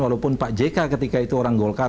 walaupun pak jk ketika itu orang golkar